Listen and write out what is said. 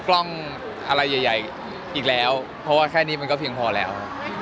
กล้องอะไรใหญ่อีกแล้วเพราะว่าแค่นี้มันก็เพียงพอแล้ว